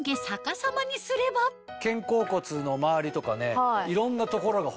さらに肩甲骨の周りとかねいろんな所がほぐれる。